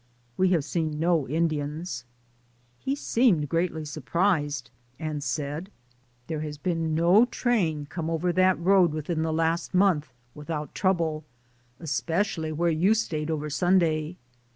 "We have seen no Indians." He seemed greatly surprised, and said, "There has been no train come over that road within the last month without trouble, espe cially where you stayed over Sunday.